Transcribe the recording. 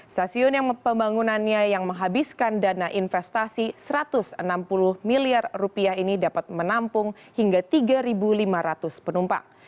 stasiun yang pembangunannya yang menghabiskan dana investasi rp satu ratus enam puluh miliar ini dapat menampung hingga tiga lima ratus penumpang